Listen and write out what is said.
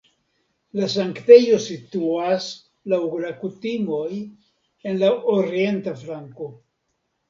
La sanktejo situas (laŭ la kutimoj) en la orienta flanko.